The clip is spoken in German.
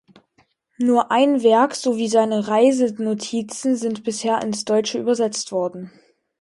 Nur ein Werk sowie seine Reisenotizen sind bisher ins Deutsche übersetzt worden.